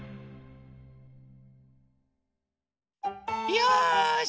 よし！